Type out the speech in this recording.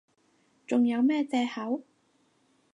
仲有咩藉口？